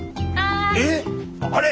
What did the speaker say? えっあれ